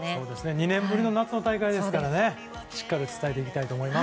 ２年ぶりの夏の大会ですからしっかり伝えていきたいと思います。